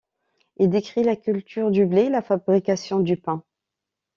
Il décrit la culture du blé et la fabrication du pain.